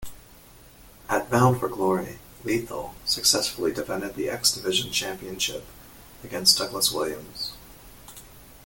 At Bound for Glory, Lethal successfully defended the X Division Championship against Douglas Williams.